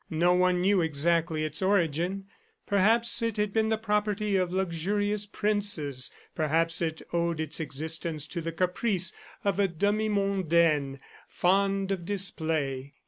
No one knew exactly its origin; perhaps it had been the property of luxurious princes; perhaps it owed its existence to the caprice of a demi mondaine fond of display.